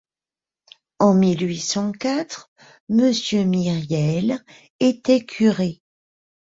En mille huit cent quatre, Monsieur Myriel était curé.